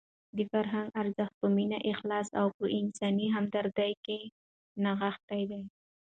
د فرهنګ ارزښت په مینه، اخلاص او په انساني همدردۍ کې نغښتی دی.